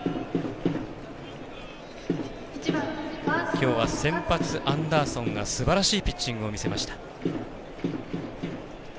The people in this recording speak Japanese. きょうは先発、アンダーソンがすばらしいピッチングを見せました。